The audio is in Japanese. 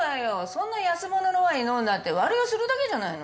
そんな安物のワイン飲んだって悪酔いするだけじゃないの。